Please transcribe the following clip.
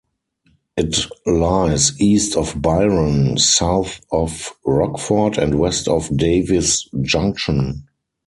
It lies east of Byron, south of Rockford and west of Davis Junction.